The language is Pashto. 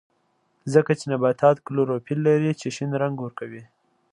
ځکه چې نباتات کلوروفیل لري چې شین رنګ ورکوي